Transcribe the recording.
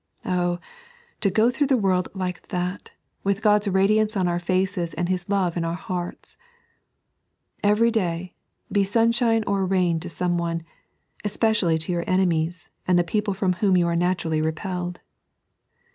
Oh, to go through the world like that, with God's radiance on our faces and His love in our hearts I Eveiy day, be sunshine or rain to someone, and especially to your enemies, and the people from whom you are naturally repelled.